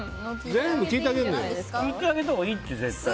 聞いてあげたほうがいいって絶対。